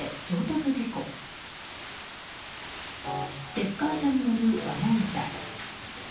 レッカー車に載るワゴン車。